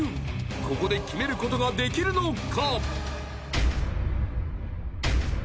ここで決めることができるのか？